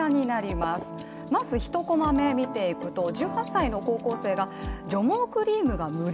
まず、１コマ目を見ていくと、１８歳の高校生が、除毛クリームが無料！？